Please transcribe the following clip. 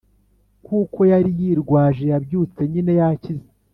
kuko yari yirwaje yabyutse nyine yakize.